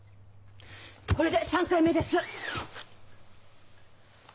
これで３回目です！